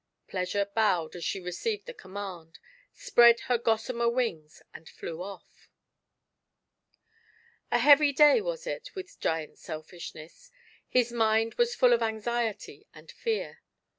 Pleasui e bowed as she received the command, spread her gossamer wings, and flew off. A heavy day was it with Giant Selfishness ; his mind was full of anxiety and fear.